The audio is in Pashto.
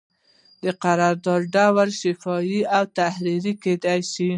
د قرارداد ډول شفاهي او تحریري کیدی شي.